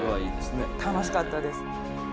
楽しかったです。